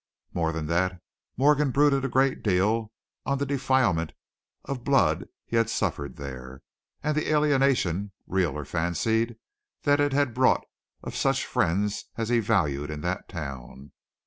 More than that, Morgan brooded a great deal on the defilement of blood he had suffered there, and the alienation, real or fancied, that it had brought of such friends as he valued in that town.